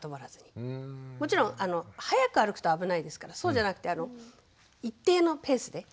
もちろん速く歩くと危ないですからそうじゃなくて一定のペースで。